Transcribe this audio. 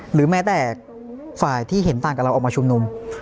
หรือแม้แต่ฝ่ายที่เห็นต่างกับเราออกมาชุมนุม